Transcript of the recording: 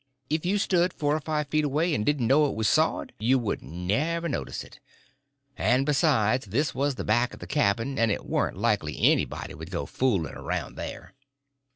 If you stood four or five foot away and didn't know it was sawed, you wouldn't never notice it; and besides, this was the back of the cabin, and it warn't likely anybody would go fooling around there.